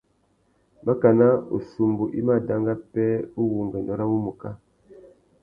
Makana « ussumbu i má danga pêh uwú ungüêndô râ wumuká ».